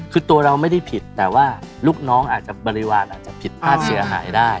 คือตัวเราไม่ได้ผิดแต่ว่าลูกน้องอาจจะบริวารอาจจะผิดพลาดเสียหายได้